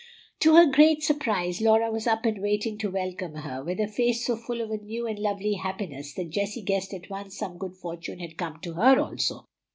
To her great surprise, Laura was up and waiting to welcome her, with a face so full of a new and lovely happiness that Jessie guessed at once some good fortune had come to her also.